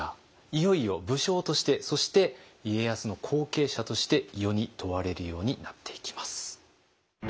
いよいよ武将としてそして家康の後継者として世に問われるようになっていきます。